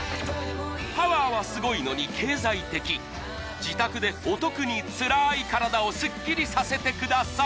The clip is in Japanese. パワーはすごいのに経済的自宅でお得につらい体をスッキリさせてください